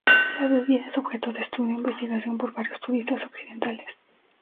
La bebida es objeto de estudio e investigación por varios turistas occidentales.